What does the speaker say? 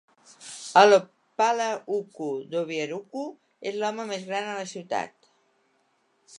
El "Okpala-Ukwu" d'Obiaruku és l'home més gran a la ciutat.